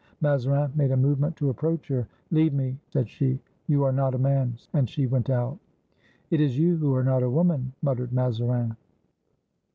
Mazarin made a movement to approach her. "Leave me," said she; "you are not a man!" and she went out. "It is you who are not a woman," muttered Mazarin.